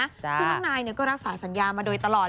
ซึ่งน้องนายก็รักษาสัญญามาโดยตลอด